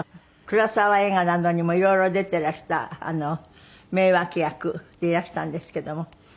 黒澤映画などにも色々出ていらした名脇役でいらしたんですけども。